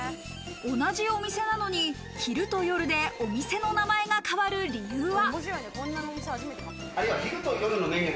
同じお店なのに昼と夜でお店の名前が変わる理由は。